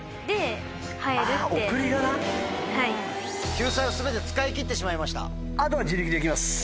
救済を全て使い切ってしまいました。